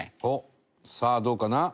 さあどうかな？